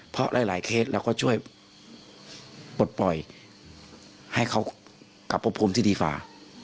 เพราะหลายเคสเราก็ช่วยปลดปล่อยให้เขากลับพบภูมิที่ดีกว่า